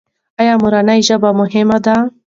ایا مورنۍ ژبه مهمه ده؟